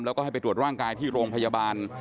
แล้วก็ให้ไปตรวจร่างกายที่โรงพยาบาล